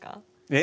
え？